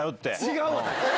違うわ！